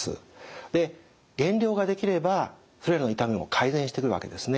で減量ができればそれらの痛みも改善してくるわけですね。